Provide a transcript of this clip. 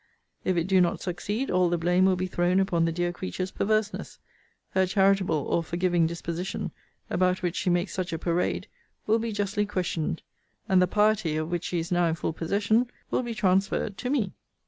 If it do not succeed, all the blame will be thrown upon the dear creature's perverseness: her charitable or forgiving disposition, about which she makes such a parade, will be justly questioned; and the piety, of which she is now in full possession, will be transferred to me.